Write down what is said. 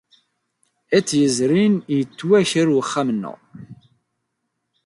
Iḍ yezrin, yettwaker wexxam-nneɣ.